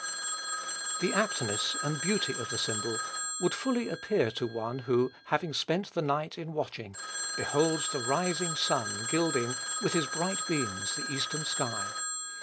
The aptness and beauty of the symbol would fully appear to one who, having spent the night in watching, beholds the rising sun gilding, with his bright beams, the eastern sky.